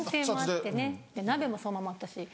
鍋もそのまま。